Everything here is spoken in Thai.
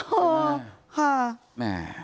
ค่ะ